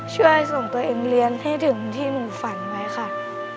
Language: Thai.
ช่วยส่งตัวเองเรียนให้ถึงที่หนูฝันไว้ค่ะ